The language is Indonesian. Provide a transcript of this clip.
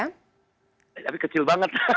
tapi kecil banget